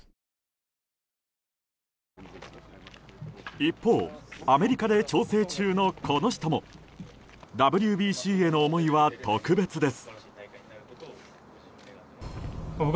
一方アメリカで調整中のこの人もＷＢＣへの思いは特別です。